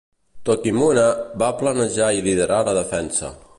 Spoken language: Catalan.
Tokimune va planejar i liderar la defensa.